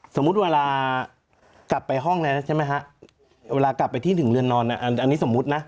สมมุติเวลากลับไปห้องแล้วใช่ไหมฮะเวลากลับไปที่หนึ่งเรือนนอนอันนี้สมมุตินะ